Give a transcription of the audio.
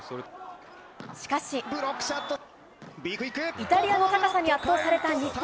イタリアの高さに圧倒された日本。